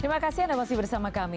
terima kasih anda masih bersama kami